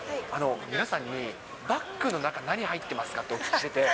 皆さんにバッグの中、何入ってますかってお聞きしてて。